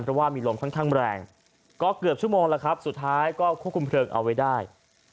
เพราะว่ามีลมค่อนข้างแรงก็เกือบชั่วโมงแล้วครับสุดท้ายก็ควบคุมเพลิงเอาไว้ได้